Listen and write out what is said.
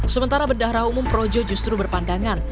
sementara bedahra umum projo justru berpandangan